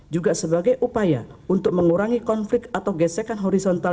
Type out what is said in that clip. juga sebagai upaya untuk mengurangi konflik atau gesekan horizontal